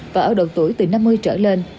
và ở độ tuổi từ năm mươi trở lên